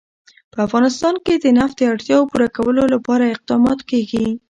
په افغانستان کې د نفت د اړتیاوو پوره کولو لپاره اقدامات کېږي.